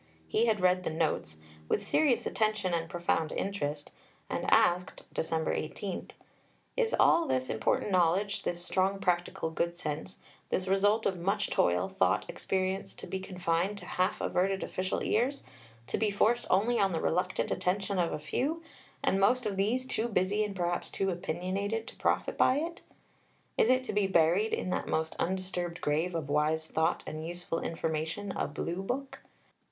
He had read the Notes "with serious attention and profound interest," and asked (Dec. 18): "Is all this important knowledge, this strong practical good sense, this result of much toil, thought, experience to be confined to half averted official ears, to be forced only on the reluctant attention of a few, and most of these too busy and perhaps too opinionated to profit by it? Is it to be buried in that most undisturbed grave of wise thought and useful information, a blue book?